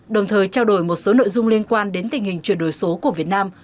đồng thời trao đổi một số nội dung liên quan đến tình hình chuyển đổi số của việt nam